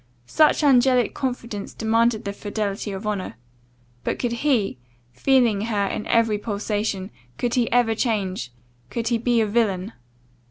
Such angelic confidence demanded the fidelity of honour; but could he, feeling her in every pulsation, could he ever change, could he be a villain?